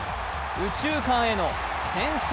右中間への先制